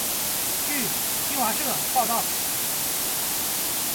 据新华社报道